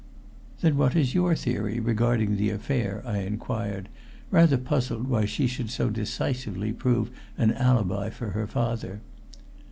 "Then what is your theory regarding the affair?" I inquired, rather puzzled why she should so decisively prove an alibi for her father.